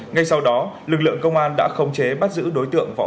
ngay sau đó lực lượng công an đã khống chế bắt giữ đối tượng võ